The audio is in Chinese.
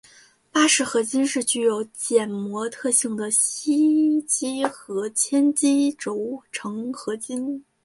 巴氏合金是具有减摩特性的锡基和铅基轴承合金。